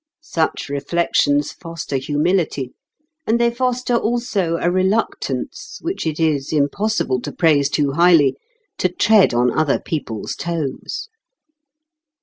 Such reflections foster humility, and they foster also a reluctance, which it is impossible to praise too highly, to tread on other people's toes.